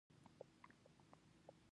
لاسونه د لیکوال همکار دي